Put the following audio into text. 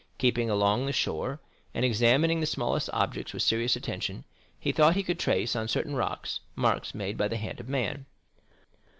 Keeping along the shore, and examining the smallest object with serious attention, he thought he could trace, on certain rocks, marks made by the hand of man.